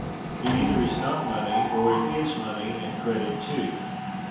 It either is not money, or it is money and credit too.